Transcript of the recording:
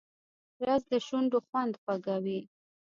رس د شونډو خوند خوږوي